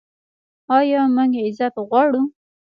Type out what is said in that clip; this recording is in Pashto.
آیا موږ عزت غواړو؟